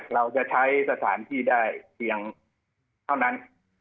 เราจะใช้สถานที่ได้เพียงเท่านั้น